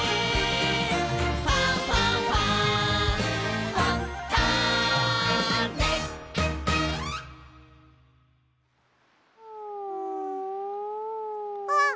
「ファンファンファン」あっ。